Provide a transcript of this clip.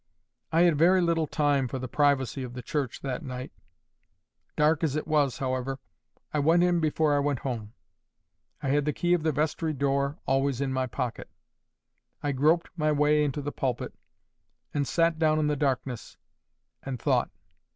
I had very little time for the privacy of the church that night. Dark as it was, however, I went in before I went home: I had the key of the vestry door always in my pocket. I groped my way into the pulpit, and sat down in the darkness, and thought.